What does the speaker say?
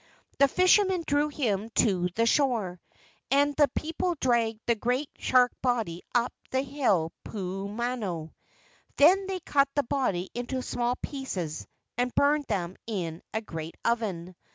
The fishermen drew him to the shore, and the people dragged the great shark body up the hill Puu mano. Then they cut the body into small pieces and burned them in a great oven.